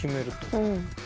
うん。